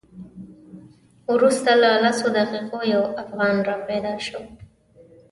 وروسته له لسو دقیقو یو افغان را پیدا شو.